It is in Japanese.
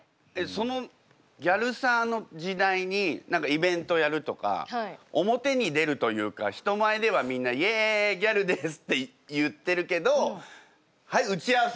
そのギャルサーの時代に何かイベントやるとか表に出るというか人前ではみんな「イエイギャルです」って言ってるけど「はい打ち合わせ！」